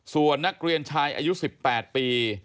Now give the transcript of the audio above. ส่วนนักเรียนชายอายุ๑๘ปี